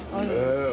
へえ。